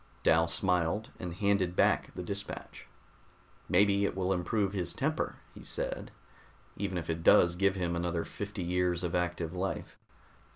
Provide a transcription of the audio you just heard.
Dal smiled and handed back the dispatch. "Maybe it will improve his temper," he said, "even if it does give him another fifty years of active life."